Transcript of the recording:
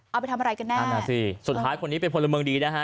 เอาไปทำอะไรกันแน่นั่นน่ะสิสุดท้ายคนนี้เป็นพลเมืองดีนะฮะ